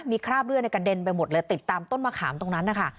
มีคราบเลือดในกระเด็นไปหมดเลยติดตามต้นมะขามตรงนั้นนะคะ